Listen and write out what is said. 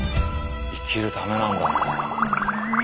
生きるためなんだ。